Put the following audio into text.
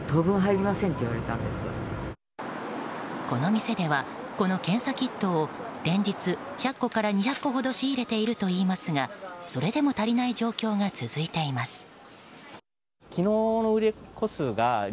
この店では、この検査キットを連日１００個から２００個ほど仕入れているといいますがそれでも足りない状況が続いています。